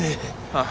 ああ。